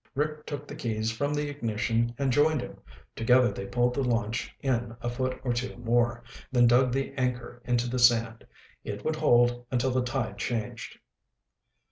Rick took the keys from the ignition and joined him. Together they pulled the launch in a foot or two more, then dug the anchor into the sand. It would hold until the tide changed.